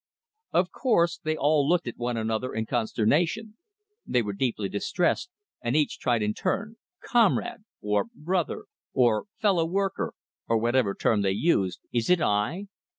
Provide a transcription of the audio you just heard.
Of course, they all looked at one another in consternation. They were deeply distressed, and each tried in turn "Comrade," or "Brother," or "Fellow worker," or whatever term they used "is it I?"